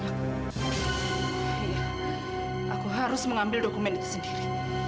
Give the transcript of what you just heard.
aku harus mengambil dokumen itu sendiri